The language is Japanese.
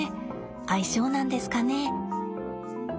相性なんですかね。